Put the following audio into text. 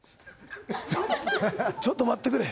ちょっと待ってくれ。